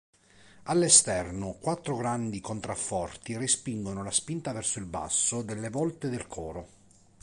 All'esterno, quattro grandi contrafforti respingono la spinta verso il basso delle volte del coro.